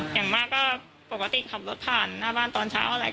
อย่างมากก็ปกติขับรถผ่านหน้าบ้านตอนเช้าอะไร